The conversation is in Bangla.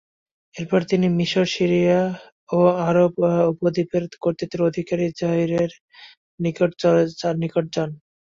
এরপর তিনি মিসর, সিরিয়া ও আরব উপদ্বীপের কর্তৃত্বের অধিকারী যাহিরের নিকট যান।